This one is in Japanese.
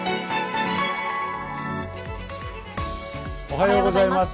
おはようございます。